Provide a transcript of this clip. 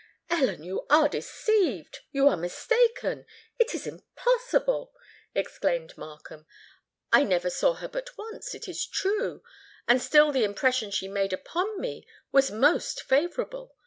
"Ellen you are deceived—you are mistaken: it is impossible!" exclaimed Markham, "I never saw her but once, it is true: and still the impression she made upon me was most favourable.